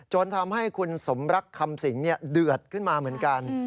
จนทำให้คุณสมรักคำสิงเดือดขึ้นมาเหมือนกัน